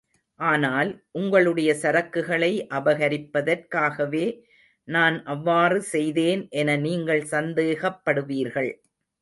ஆனால், உங்களுடைய சரக்குகளை அபகரிப்பதற்காகவே நான் அவ்வாறு செய்தேன் என நீங்கள் சந்தேகப்படுவீர்கள்.